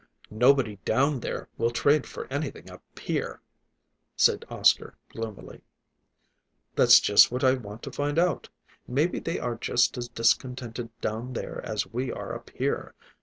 "Nobody down there will trade for anything up here," said Oscar gloomily. "That's just what I want to find out. Maybe they are just as discontented down there as we are up here.